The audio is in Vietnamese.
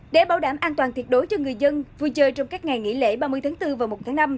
để bảo đảm an toàn tuyệt đối cho người dân vui chơi trong các ngày nghỉ lễ ba mươi tháng bốn và một tháng năm